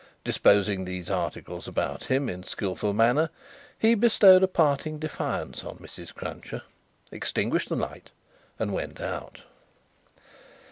Disposing these articles about him in skilful manner, he bestowed a parting defiance on Mrs. Cruncher, extinguished the light, and went out.